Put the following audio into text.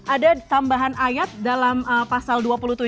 ada tambahan ayat dalam pasal dua puluh tujuh